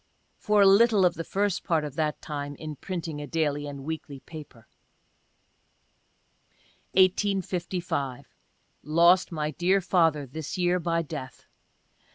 (For a little of the first part of that time in printing a daily and weekly paper.) 1855. — Lost my dear father, this year, by death.